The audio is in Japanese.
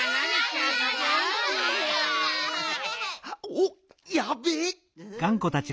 おっやべえ。